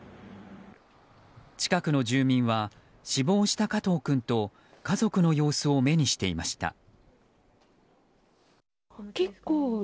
近くの住民は死亡した加藤君と家族の様子を目にしていました。